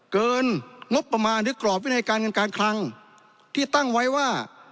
งบประมาณหรือกรอบวินัยการเงินการคลังที่ตั้งไว้ว่า